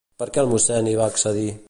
Per què el mossèn hi va accedir?